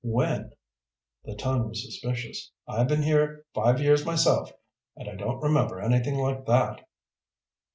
"When?" the tone was suspicious. "I've been here five years myself, and I don't remember anything like that."